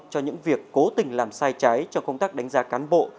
cho những việc cố tình làm sai trái cho công tác đánh giá cán bộ